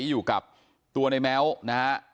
อยู่กับตัวในแม้วนะฮะ